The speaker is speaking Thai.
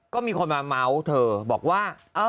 ก็มีคนมาเมาส์เธอบอกว่า